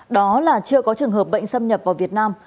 đó là chưa có trường hợp bệnh xâm nhập vào việt nam